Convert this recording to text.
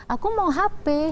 aku mau hp